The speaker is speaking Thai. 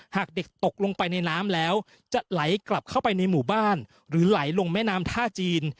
หากเด็กตกลงไปในน้ำแล้วจะไหลกลับเข้าไปในหมู่บ้านหรือไหลลงแม่น้ำท่าจีน